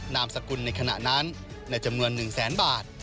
นามสกุลในขณะนั้นในจำนวน๑แสนบาท